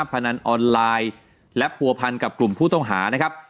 พนันออนไลน์และผัวพันกับกลุ่มผู้ต้องหานะครับ